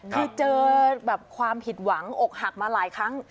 คือเจอแบบความผิดหวังอกหักมาหลายครั้ง